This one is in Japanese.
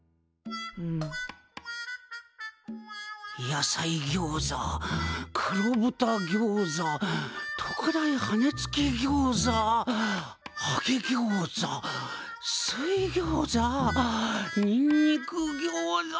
野菜餃子黒豚餃子特大羽根つき餃子揚げ餃子水餃子にんにく餃子。